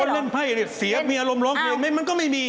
เล่นไพ่เนี่ยเสียมีอารมณ์ร้องเพลงมันก็ไม่มี